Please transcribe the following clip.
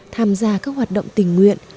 tham gia các hoạt động tình nguyện